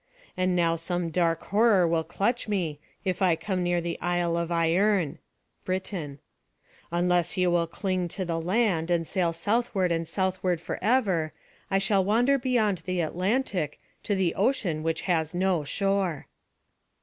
And now some dark horror will clutch me, if I come near the Isle of Ierne.[A] Unless you will cling to the land, and sail southward and southward forever, I shall wander beyond the Atlantic, to the ocean which has no shore."